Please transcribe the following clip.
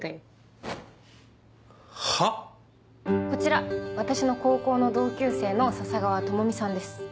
こちら私の高校の同級生の佐々川知美さんです。